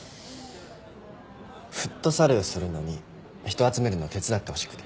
フットサルするのに人集めるの手伝ってほしくて。